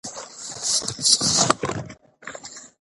د موسیقي زده کړه د شناخت لپاره مهمه ده.